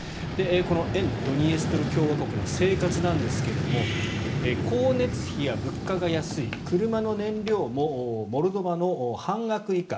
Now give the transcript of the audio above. この沿ドニエストル共和国の生活なんですが光熱費や物価が安い車の燃料もモルドバの半額以下。